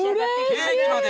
ケーキまで？